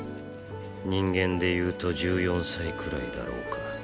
人間でいうと１４歳くらいだろうか。